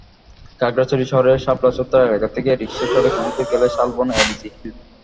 খাগড়াছড়ি শহরের শাপলা চত্বর এলাকা থেকে রিকশায় চড়ে কিছুদূর গেলেই শালবন এডিসি হিল।